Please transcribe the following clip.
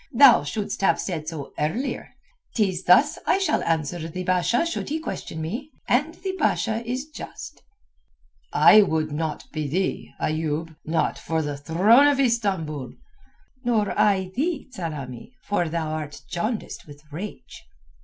Thou shouldst have said so earlier. 'Tis thus I shall answer the Basha should he question me, and the Basha is just." "I would not be thee, Ayoub—not for the throne of Istambul." "Nor I thee, Tsamanni; for thou art jaundiced with rage."